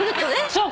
そう。